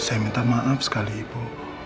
saya minta maaf sekali ibu